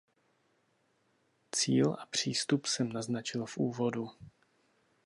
Cíl a přístup jsem naznačil v Úvodu.